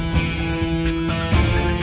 pak togor pak tegor